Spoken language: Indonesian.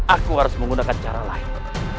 aku harus menggunakan cara lain